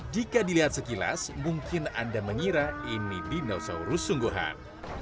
jika dilihat sekilas mungkin anda mengira ini dinosaurus sungguhan